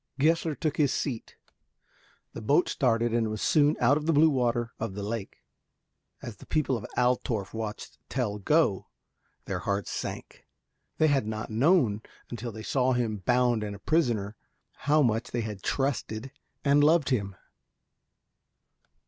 Gessler took his seat. The boat started, and was soon out on the blue water of the lake. As the people of Altorf watched Tell go, their hearts sank. They had not known, until they saw him bound and a prisoner, how much they had trusted and loved him.